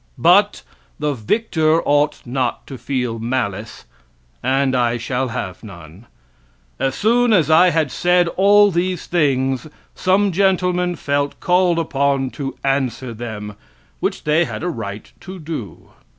But the victor ought not to feel malice, and I shall have none. As soon as I had said all these things, some gentlemen felt called upon to answer them, which they had a right to do.